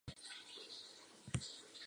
Solo se prestan libros de forma excepcional.